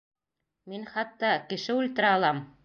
Мин хатта... кеше үлтерә алам!